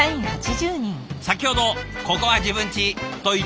先ほど「ここは自分ち」と言ってた田鎖さん。